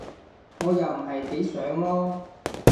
我又唔係幾想囉